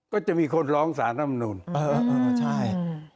ก็จะมีคนร้องศาสตร์น้ำนูญ